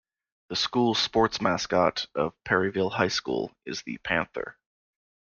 The school sports mascot of Perryville High School is the panther.